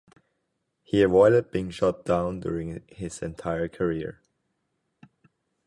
He avoided being shot down during his entire career.